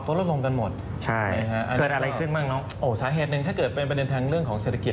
ถ้าเกิดไปดูต่างประเทศอย่างเมื่อคืนนี้